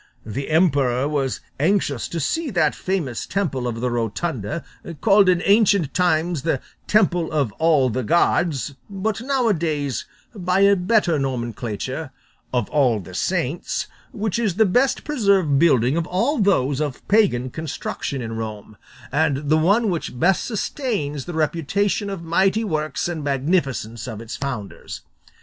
The emperor was anxious to see that famous temple of the Rotunda, called in ancient times the temple 'of all the gods,' but now a days, by a better nomenclature, 'of all the saints,' which is the best preserved building of all those of pagan construction in Rome, and the one which best sustains the reputation of mighty works and magnificence of its founders.